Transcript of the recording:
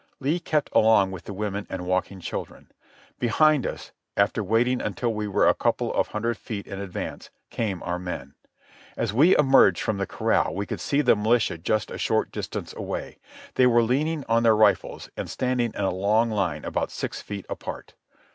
Lee kept along with the women and walking children. Behind us, after waiting until we were a couple of hundred feet in advance, came our men. As we emerged from the corral we could see the militia just a short distance away. They were leaning on their rifles and standing in a long line about six feet apart.